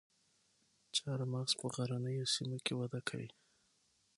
چهارمغز په غرنیو سیمو کې وده کوي